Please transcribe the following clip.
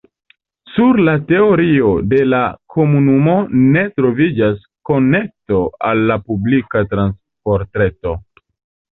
Sur la teritorio de la komunumo ne troviĝas konekto al la publika transportreto.